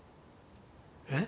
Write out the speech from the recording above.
えっ？